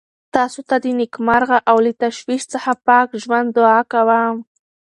تاسو ته د نېکمرغه او له تشویش څخه پاک ژوند دعا کوم.